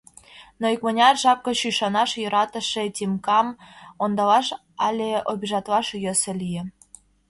Но икмыняр жап гыч ӱшанаш йӧратыше Тимкам ондалаш але обижатлаш йӧсӧ лие.